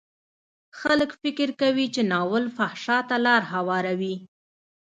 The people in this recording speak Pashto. خلک فکر کوي چې ناول فحشا ته لار هواروي.